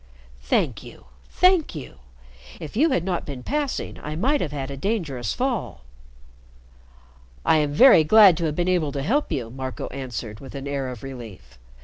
Thank you, thank you. If you had not been passing I might have had a dangerous fall." "I am very glad to have been able to help you," Marco answered, with an air of relief.